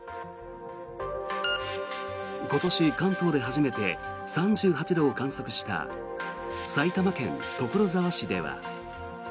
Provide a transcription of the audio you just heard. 今年関東で初めて３８度を観測した埼玉県所沢市では。